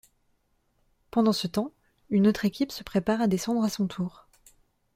Pendant ce temps, une autre équipe se prépare à descendre à son tour.